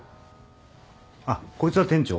あっこいつは店長。